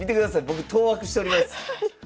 僕当惑しております。